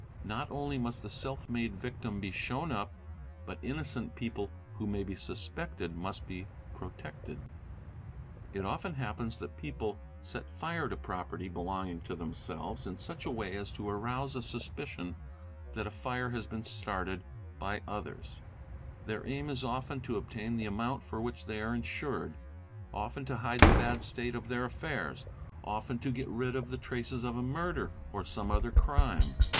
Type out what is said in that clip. ; Not only must the self made victim be shown up, but inocent people — who may be suspected must be protected. & It often happens that people set fire to property belonging to them — selves in such a way as to arouse a suspicion that a fire has been started by others; their aim is often to obtain the amount for which they are — insured, often to hide the bad state of their affairs, often to get rid of the — 7 traces of a murder or.some other crime.